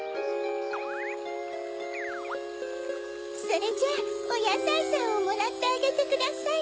それじゃおやさいさんをもらってあげてください。